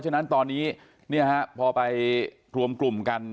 ที่ตอนนี้เนี่ยพอไปรวมกลุ่มกัน